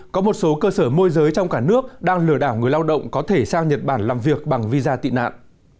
có một số cơ sở môi giới trong cả nước đang lừa đảo người lao động có thể sang nhật bản làm việc bằng visa tị nạn